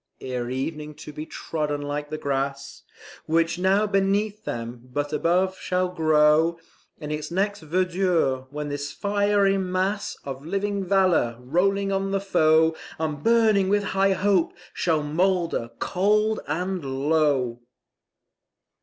Ere evening to be trodden like the grass Which now beneath them, but above shall grow In its next verdure, when this fiery mass Of living valour, rolling on the foe And burning with high hope, shall moulder cold and low.